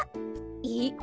えっ？